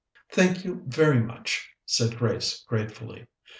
"Thank you very much," said Grace gratefully.